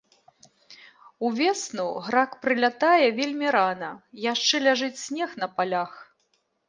Увесну грак прылятае вельмі рана, яшчэ ляжыць снег на палях.